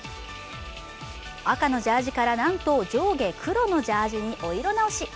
赤のジャージーから、なんと黒のジャージーにお色直し。